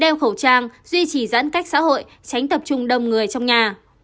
đeo khẩu trang duy trì giãn cách xã hội tránh tập trung đông người trong nhà